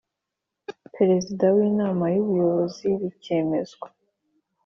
Perezida w Inama y Ubuyobozi bikemezwa